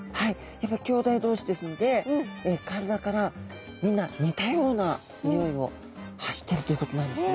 やっぱりきょうだい同士ですので体からみんな似たようなにおいを発してるということなんですね。